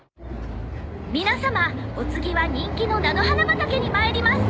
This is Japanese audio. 皆様お次は人気の菜の花畑にまいります。